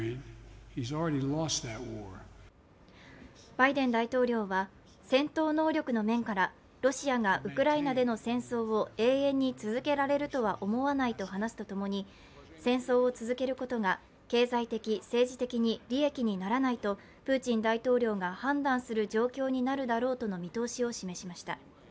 バイデン大統領は戦闘能力の面からロシアがウクライナでの戦争を永遠に続けられるとは思わないと話すとともに戦争を続けることが経済的、政治的に利益にならないとプーチン大統領が判断する状況になるだろうとの見通しを示しました。